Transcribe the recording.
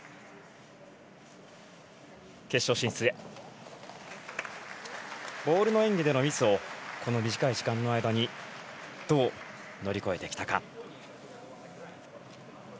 決勝進出へボールの演技でのミスをこの短い時間の間にどう乗り越えてきたか。